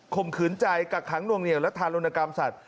มขืนใจกักขังนวงเหนียวและทารุณกรรมสัตว